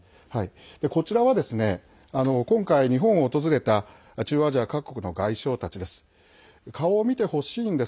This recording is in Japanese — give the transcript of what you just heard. こちらは今回、日本を訪れた中央アジア各国の外相たちです。